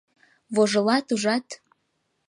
— Вожылат, ужат?